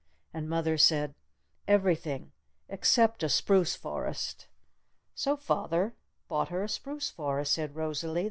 And mother said, 'Everything except a spruce forest!' So father bought her a spruce forest," said Rosalee.